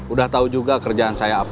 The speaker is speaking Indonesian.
udah tahu juga kerjaan saya apa